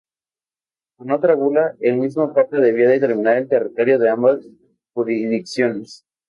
Con otra bula, el mismo papa debió determinar el territorio de ambas jurisdicciones.